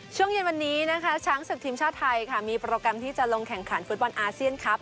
ช่วงเย็นวันนี้นะคะช้างศึกทีมชาติไทยค่ะมีโปรแกรมที่จะลงแข่งขันฟุตบอลอาเซียนครับ